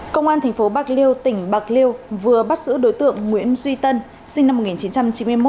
công an tp bạc liêu tỉnh bạc liêu vừa bắt giữ đối tượng nguyễn duy tân sinh năm một nghìn chín trăm chín mươi một